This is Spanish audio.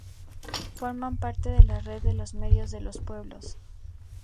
Forma parte de la Red de Medios de los Pueblos.